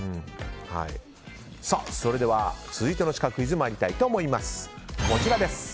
それでは続いてのシカクイズ参りたいと思います。